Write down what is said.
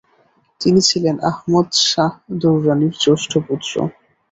তিনি ছিলেন আহমদ শাহ দুররানির জ্যেষ্ঠ পুত্র।